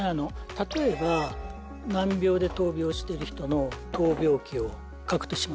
例えば難病で闘病してる人の闘病記を書くとしますね。